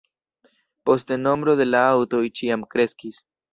Poste nombro de la aŭtoj ĉiam kreskis.